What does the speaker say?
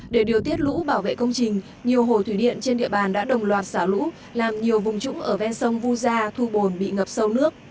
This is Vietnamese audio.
để điều tiết lũ bảo vệ công trình nhiều hồ thủy điện trên địa bàn đã đồng loạt xả lũ làm nhiều vùng trũng ở ven sông vu gia thu bồn bị ngập sâu nước